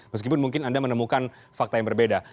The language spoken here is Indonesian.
meskipun mungkin anda menemukan fakta yang berbeda